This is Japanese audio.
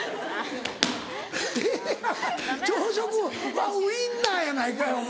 ええやん朝食ウインナーやないかいお前。